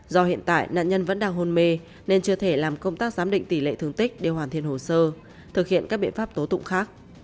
do hiện tại nạn nhân vẫn đang hôn mê nên chưa thể làm công tác giám định tỷ lệ thương tích để hoàn thiện hồ sơ thực hiện các biện pháp tố tụng khác